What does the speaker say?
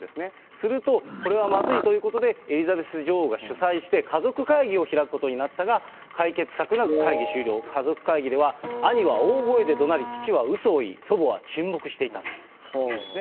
すると、これはまずいということで、エリザベス女王が主催して、家族会議を開くことになったが、解決策なく会議終了、家族会議では、兄は大声でどなり、父はうそを言い、祖母は沈黙していたということですね。